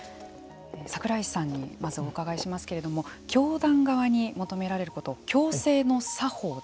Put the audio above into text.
櫻井さんにまず、お伺いしますけれども教団側に求められること。